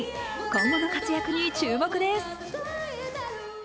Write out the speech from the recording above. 今後の活躍に注目です。